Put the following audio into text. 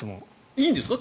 いいんですか？